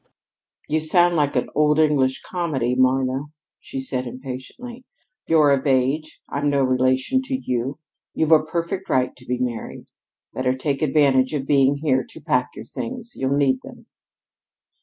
"You sound like an old English comedy, Marna," she said impatiently. "You're of age; I'm no relation to you; you've a perfect right to be married. Better take advantage of being here to pack your things. You'll need them."